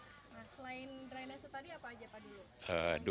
selain drainase tadi apa aja pak dulu